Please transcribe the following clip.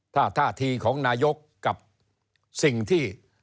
ถ้าท่าทีของนายกกับสิ่งที่